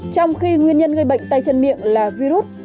trong khi nguyên nhân gây bệnh tay chân miệng là virus